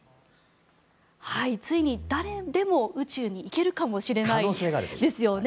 ついに誰でも宇宙に行けるかもしれないですね。